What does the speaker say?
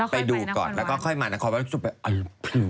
ไปดูก่อนแล้วก็ค่อยมานครวัฒนธรรม